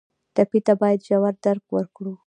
ټپي ته باید ژور درک ورکړو.